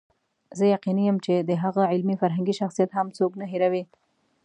زه یقیني یم چې د هغه علمي فرهنګي شخصیت هم څوک نه هېروي.